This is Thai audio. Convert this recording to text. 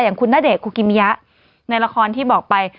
อย่างคุณณเดชนคุกิมิยะในละครที่บอกไป